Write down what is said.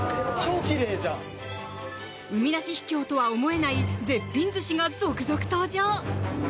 海なし秘境とは思えない絶品寿司が続々登場！